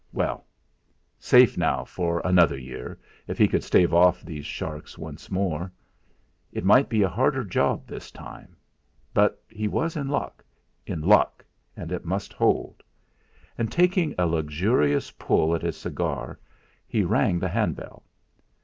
Well! Safe now for another year if he could stave off these sharks once more. It might be a harder job this time, but he was in luck in luck, and it must hold. And taking a luxurious pull at his cigar, he rang the handbell.